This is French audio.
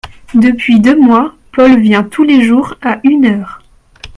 Depuis deux mois, Paul vient tous les jours à une heure…